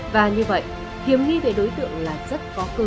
và như vậy hiểm nghi về đối tượng là rất có cơ sở